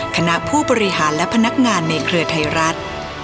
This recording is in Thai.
คณะผู้บริหารและพนักงานในเครือไทยรัฐ